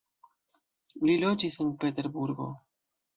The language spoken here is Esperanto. Li loĝis en Peterburgo.